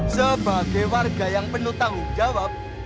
sebagai warga yang penuh tanggung jawab